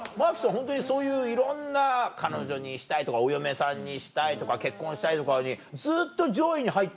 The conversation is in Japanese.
ホントにそういういろんな「彼女にしたい」とか「お嫁さんにしたい」とか「結婚したい」とかにずっと上位に入ってそう。